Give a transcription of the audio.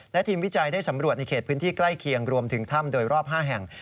และทีมวิจัยได้สำรวจในเขตพื้นที่ใกล้เคียงรวมถึงถ้ำโดยรอบ๕แห่ง